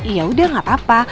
ya udah gak apa apa